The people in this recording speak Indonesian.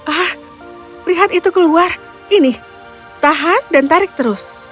ah lihat itu keluar ini tahan dan tarik terus